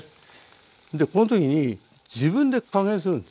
でこの時に自分で加減するんですよ。